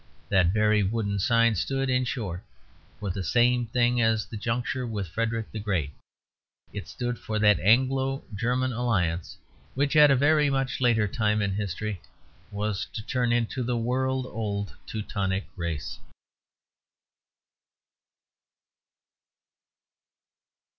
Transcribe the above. That very wooden sign stood, in short, for the same thing as the juncture with Frederick the Great; it stood for that Anglo German alliance which, at a very much later time in history, was to turn into the world old Teutonic Race.